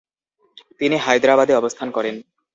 তিনি হায়দ্রাবাদে অবস্থান করেন।